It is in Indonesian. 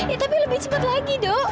ya tapi lebih cepat lagi dok